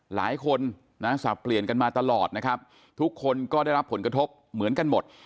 หลายคนนะสับเปลี่ยนกันมาตลอดนะครับทุกคนก็ได้รับผลกระทบเหมือนกันหมด